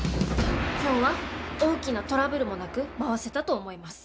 今日は大きなトラブルもなく回せたと思います。